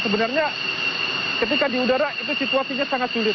sebenarnya ketika di udara itu situasinya sangat sulit